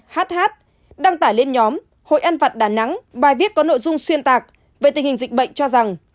hát hát đăng tải lên nhóm hội an vận đà nẵng bài viết có nội dung xuyên tạc về tình hình dịch bệnh cho rằng